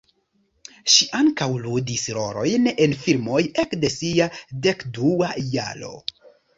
Ŝi ankaŭ ludis rolojn en filmoj ekde sia dekdua jaro.